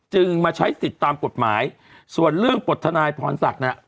มาใช้สิทธิ์ตามกฎหมายส่วนเรื่องปลดทนายพรศักดิ์เนี่ย